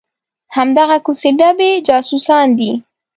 همدغه کوڅې ډبي جاسوسان دي.